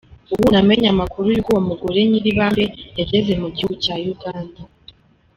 Ubu namenye amakuru y’uko uwo mugore Nyiribambe yageze mu gihugu cya Uganda”.